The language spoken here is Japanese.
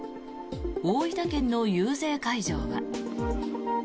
大分県の遊説会場は。